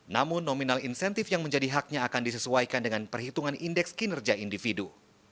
namun nominal insentif yang menjadi haknya akan disesuaikan dengan perhitungan indeks kinerja individu